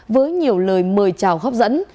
với nhiều lời mời chào hấp dẫn